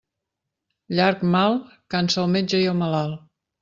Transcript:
Llarg mal cansa el metge i el malalt.